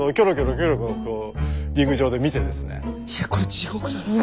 え⁉いやこれ地獄だな。